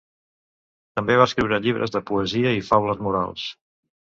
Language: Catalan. També va escriure llibres de poesia i faules morals.